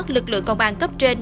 lực lượng công an cấp trên